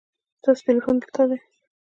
ستاسو تلیفون دلته دی